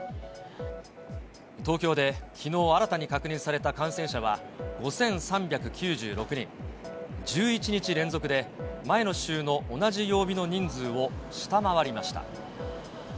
東京できのう新たに確認された感染者は５３９６人、１１日連続で前の週の同じ曜日の人数を下回りました。